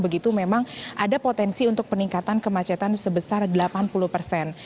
begitu memang ada potensi untuk peningkatan kemacetan sebesar delapan puluh persen